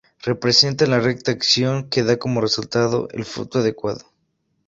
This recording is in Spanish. Representa la Recta Acción, que da como resultado el fruto adecuado.